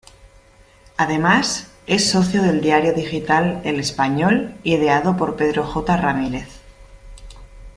Además, es socio del diario digital "El Español" ideado por Pedro J. Ramírez.